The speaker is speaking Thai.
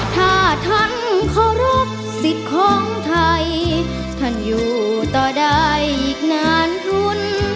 ถ้าท่านเคารพสิทธิ์ของไทยท่านอยู่ต่อได้อีกนานทุน